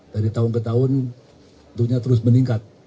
dari tahun ke tahun tentunya terus meningkat